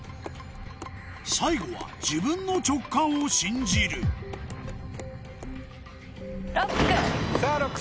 最後は自分の直感を信じるＬＯＣＫ。